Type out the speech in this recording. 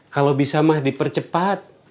kalau bisa mah dipercepat